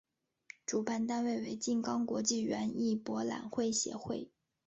主办单位为静冈国际园艺博览会协会。